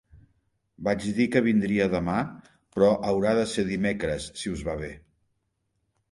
Vaig dir que vindria demà però haurà de ser dimecres, si us va bé.